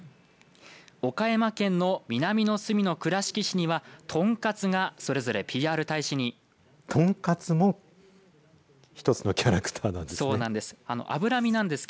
岡山県の南のすみの倉敷市にはとんかつが、それぞれＰＲ大使にとんかつも１つのキャラクターなんですね。